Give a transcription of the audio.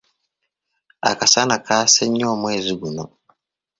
Akasana kaase nnyo omwezi guno.